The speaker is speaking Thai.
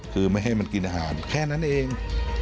คือไม่ให้มันกินอาหารแค่นั้นเอง